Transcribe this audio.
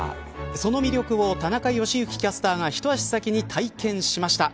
その魅力を田中良幸キャスターが一足先に体験しました。